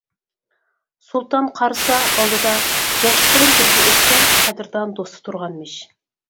سۇلتان قارىسا ئالدىدا ياشلىقىدىن بىرگە ئۆسكەن قەدىردان دوستى تۇرغانمىش.